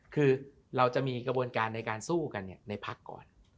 คือเราจะมีกระบวนการในการสู้กันในพักก่อน